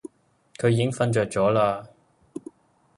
佢已經瞓著咗喇